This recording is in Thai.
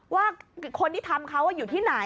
ว่าคนที่ทำเขาอยู่ที่ไหน